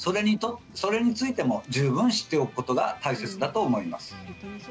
それについても十分知っておくことが大切だと思います。